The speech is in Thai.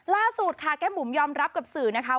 ล่าสุดค่ะแก้บุ๋มยอมรับกับสื่อนะคะ